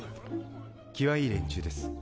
気はいい連中です。